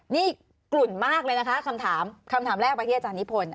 นี่กลุ่นมากเลยนะคะคำถามคำถามแรกไปที่อาจารย์นิพนธ